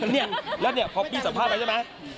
เนี่ยแล้วเนี่ยพอพี่สามารถไปใช่ไหม